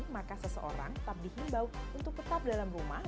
maka seseorang tetap dihimbau untuk tetap dalam rumah